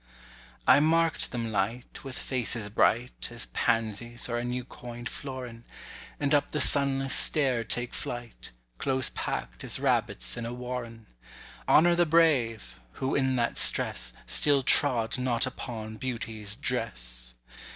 I mark'd them light, with faces bright As pansies or a new coin'd florin, And up the sunless stair take flight, Close pack'd as rabbits in a warren. Honour the Brave, who in that stress Still trod not upon Beauty's dress!